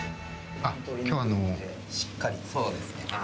今日あのしっかりそうですね